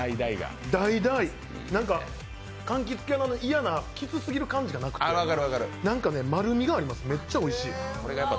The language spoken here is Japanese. ダイダイ、なんかかんきつ系の嫌なきつすぎる感じがなくて何か丸みがあります、めっちゃおいしい。